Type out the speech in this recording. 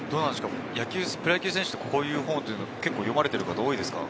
プロ野球選手ってこういう本は読まれている方は多いですか？